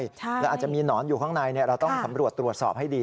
แล้วอาจจะมีหนอนอยู่ข้างในเราต้องสำรวจตรวจสอบให้ดี